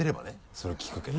それは聞くけど。